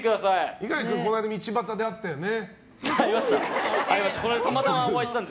猪狩君、この間道端で会ったよね。